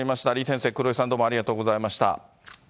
李先生、黒井さん、ありがとうございました。